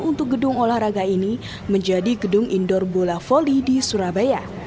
untuk gedung olahraga ini menjadi gedung indoor bola volley di surabaya